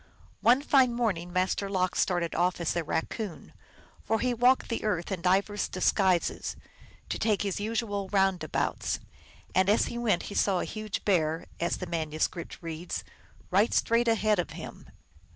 One fine morning Master Lox started off as a Kao THE MERRY TALES OF LOX. 181 coon ; l for lie walked the earth in divers disguises, to take his usual roundabouts, and as he went he saw a huge bear, as the manuscript reads, " right straight ahead of him."